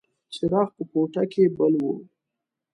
څراغ په کوټه کې بل و.